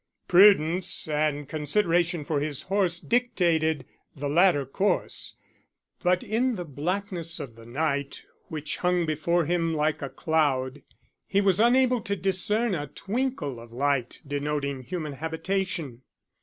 Prudence and consideration for his horse dictated the latter course, but in the blackness of the night which hung before him like a cloud he was unable to discern a twinkle of light denoting human habitation.